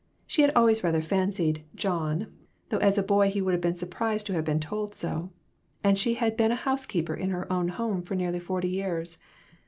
She had always rather fancied "John" though as a boy he would have been surprised to have been told so and she had been a housekeeper in her own home for nearly forty years.